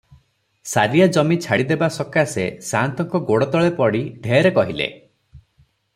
ସାରିଆ ଜମି ଛାଡ଼ିଦେବା ସକାଶେ ସାଆନ୍ତଙ୍କ ଗୋଡ଼ତଳେ ପଡି ଢେର କହିଲେ ।